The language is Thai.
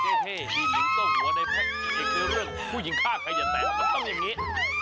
หัวในแพ็คคือเรื่องผู้หญิงฆ่าใครอย่าแตะมันต้องอย่างนี้